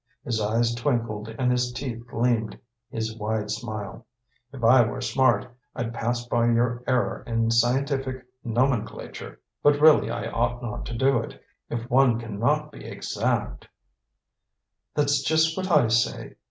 His eyes twinkled and his teeth gleamed in his wide smile. "If I were smart, I'd pass by your error in scientific nomenclature, but really I ought not to do it. If one can not be exact " "That's just what I say.